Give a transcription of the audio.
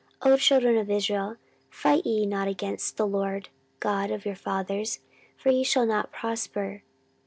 O children of Israel, fight ye not against the LORD God of your fathers; for ye shall not prosper.